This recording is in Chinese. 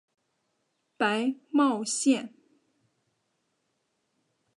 白茂线